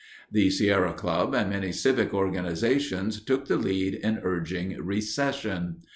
The Sierra Club and many civic organizations took the lead in urging recession.